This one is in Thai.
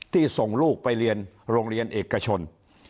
ส่งลูกไปเรียนโรงเรียนเอกชน